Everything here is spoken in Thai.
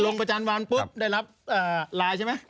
ลงประจำวันปุ๊บได้รับไลน์ใช่ไหม